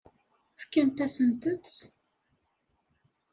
Fkan-asent-t?